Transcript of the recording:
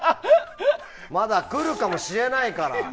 まだくるかもしれないから！